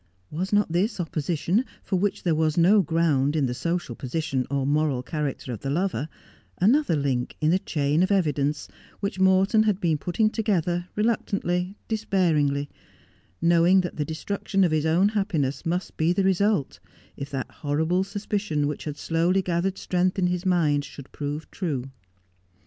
Was not this opposition, for which there was no ground in the social position or moral character of the lover, another link in the chain of evidence which Morton had been putting together, reluctantly, despairingly, knowing that the destruction of his own happiness must be the result, if that horrible suspicion which had slowly gathered strength in his mind should prove true